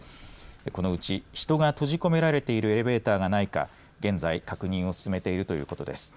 このうち人が閉じ込められているエレベーターがないか現在、確認を進めているということです。